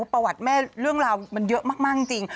ประวัติแม่เรื่องราวมันเยอะมากจริง